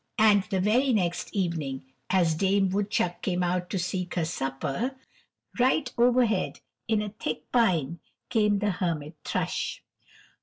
And the very next evening as Dame Woodchuck came out to seek her supper, right overhead in a thick pine came the Hermit Thrush.